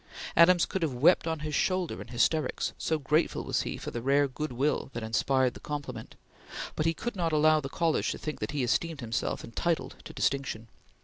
Adams could have wept on his shoulder in hysterics, so grateful was he for the rare good will that inspired the compliment; but he could not allow the college to think that he esteemed himself entitled to distinction.